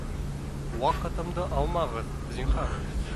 Ваҡытымды алмағыҙ, зинһар!